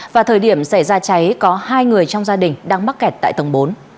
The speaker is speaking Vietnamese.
và thời điểm xảy ra cháy có hai người trong gia đình đang mắc kẹt tại tầng bốn